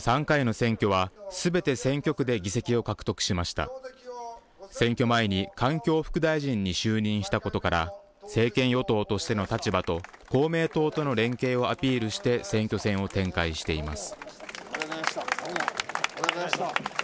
選挙前に環境副大臣に就任したことから政権与党としての立場と公明党との連携をアピールして選挙戦を展開しています。